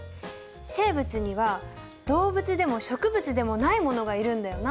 生物には動物でも植物でもないものがいるんだよな。